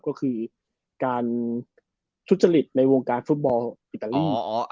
ก็คือการทุจริตในวงการฟุตบอลอิตาลี